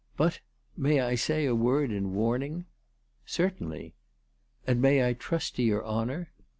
" But may I say a word in warning ?"" Certainly." " And I may trust to your honour